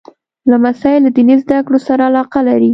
لمسی له دیني زده کړو سره علاقه لري.